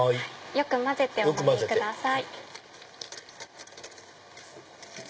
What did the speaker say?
よく混ぜてお飲みください。